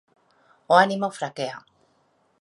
O ánimo fraquea.